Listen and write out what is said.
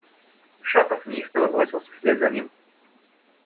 Шатов неистово бросился вслед за ним.